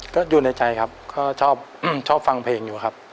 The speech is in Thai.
ก็อยู่ในใจครับก็ชอบฟังเพลงอยู่ครับ